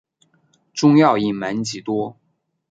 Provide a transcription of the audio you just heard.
仲要隐瞒几多？